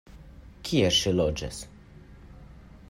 Kie ŝi loĝas?